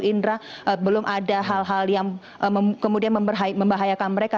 indra belum ada hal hal yang kemudian membahayakan mereka